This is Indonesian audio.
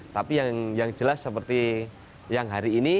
tapi yang jelas seperti yang hari ini